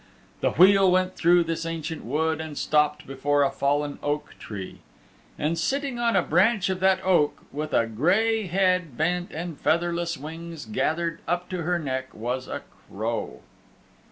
The wheel went through this ancient wood and stopped before a fallen oak tree. And sitting on a branch of that oak, with a gray head bent and featherless wings gathered up to her neck was a crow.